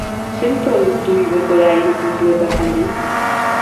Zein produktu igoko da hiru puntu eta zein bi?